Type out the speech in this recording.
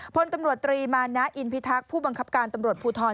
พลตำรวจตรีมานะอินพิทักษ์ผู้บังคับการตำรวจภูทร